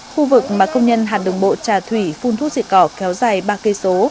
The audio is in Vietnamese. khu vực mà công nhân hàn đường bộ trà thủy phun thuốc diệt cỏ kéo dài ba km